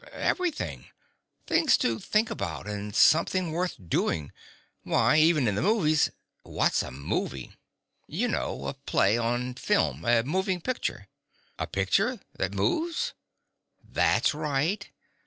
"Everything. Things to think about and something worth doing. Why, even in the movies " "What's a movie?" "You know, a play, on film. A moving picture." "A picture that moves?" "That's right."